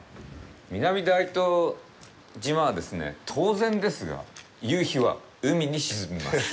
南大東島はですね、当然ですが、夕日は海に沈みます。